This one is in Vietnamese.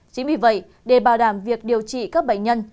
chính vì vậy để bảo đảm việc điều trị các bệnh nhân